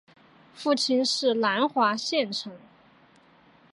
父亲是南华县丞。